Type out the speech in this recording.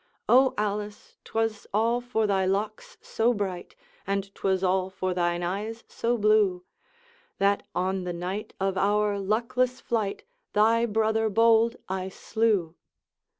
'O Alice, 't was all for thy locks so bright, And 't was all for thine eyes so blue, That on the night of our luckless flight Thy brother bold I slew.